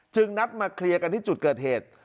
นัดมาเคลียร์กันที่จุดเกิดเหตุ